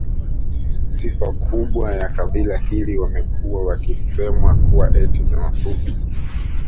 Sifa kubwa ya kabila hili wamekuwa wakisemwa kuwa eti ni wafupi